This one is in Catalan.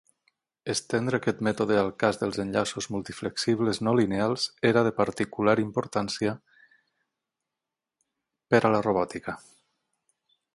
Estendre aquest mètode al cas dels enllaços multiflexibles no lineals era de particular importància per a la robòtica.